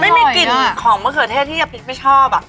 ไม่มีกลิ่นของมะเขือเทศที่ยาพริกไม่ชอบ